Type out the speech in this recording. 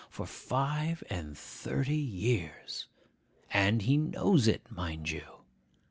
For five and thirty years! And he knows it, mind you!